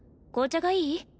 紅茶がいい？